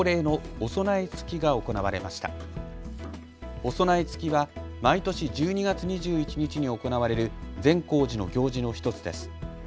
おそなえつきは毎年１２月２１日に行われる善光寺の行事の１つです。